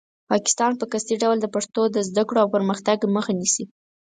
پاکستان په قصدي ډول د پښتنو د زده کړو او پرمختګ مخه نیسي.